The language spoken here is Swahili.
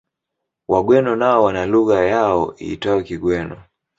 Wagweno wao wana lugha yao iitwayo Kigweno